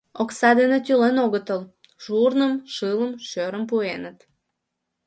Окса дене тӱлен огытыл, шурным, шылым, шӧрым пуэныт.